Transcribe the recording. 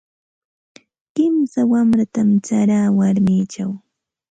Kimsa wanratam charaa warmichaw.